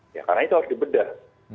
ya karena itu harus dibedah